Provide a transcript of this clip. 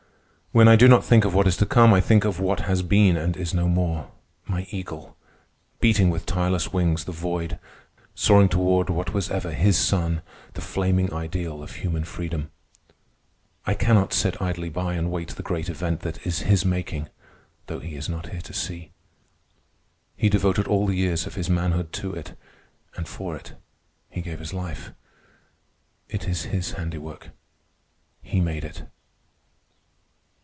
When I do not think of what is to come, I think of what has been and is no more—my Eagle, beating with tireless wings the void, soaring toward what was ever his sun, the flaming ideal of human freedom. I cannot sit idly by and wait the great event that is his making, though he is not here to see. He devoted all the years of his manhood to it, and for it he gave his life. It is his handiwork. He made it.